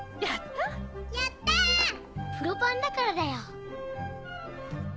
プロパンだからだよ。